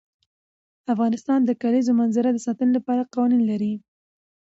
افغانستان د د کلیزو منظره د ساتنې لپاره قوانین لري.